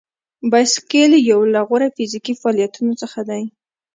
بایسکل یو له غوره فزیکي فعالیتونو څخه دی.